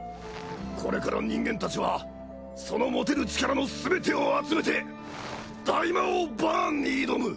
これから人間たちはその持てる力のすべてを集めて大魔王バーンに挑む！